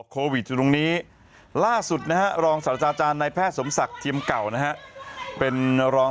โควิดถุงนี้ล่าสุดนะฮะรองสรรจาจารย์ในแพทย์สมศักดิ์เที่ยมเก่าเท่านะฮะเป็นรอง